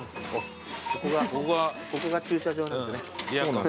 ここが駐車場なんですね。